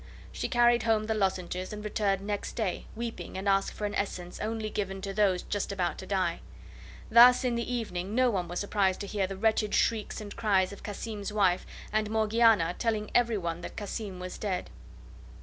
She carried home the lozenges and returned next day weeping, and asked for an essence only given to those just about to die. Thus, in the evening, no one was surprised to hear the wretched shrieks and cries of Cassim's wife and Morgiana, telling everyone that Cassim was dead.